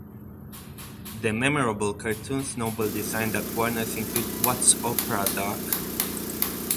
The memorable cartoons Noble designed at Warners include What's Opera, Doc?